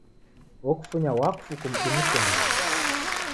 Okufunya wakfu kumdumikia Mlungu.